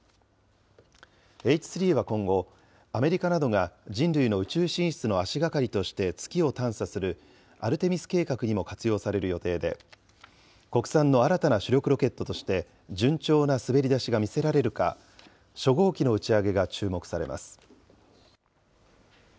Ｈ３は今後、アメリカなどが人類の宇宙進出の足がかりとして月を探査するアルテミス計画にも活用される予定で、国産の新たな主力ロケットとして、順調な滑り出しが見せられるか、初号機の打ち上げが注目されます。